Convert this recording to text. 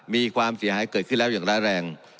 มีความเสียหายเกิดขึ้นแล้วอย่างร้ายแรง